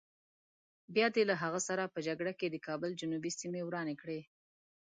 بیا دې له هغه سره په جګړه کې د کابل جنوبي سیمې ورانې کړې.